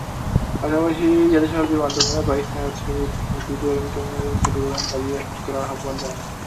পাশাপাশি জাতিসংঘের মাধ্যমে পাকিস্তানের কাছে মুক্তিযুদ্ধকালীন ক্ষতিপূরণ দাবি করারও আহ্বান জানায়।